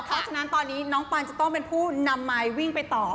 เพราะฉะนั้นตอนนี้น้องปันจะต้องเป็นผู้นำไมค์วิ่งไปต่อ